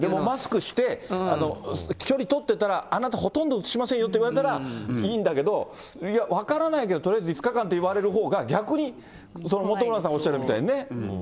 マスクして、距離取ってたら、あなたほとんどうつしませんよと言われたらいいんだけど、いや、分からないんだけど、とりあえず５日間と言われるほうが、逆に本村さんがおっしゃるみたいにね。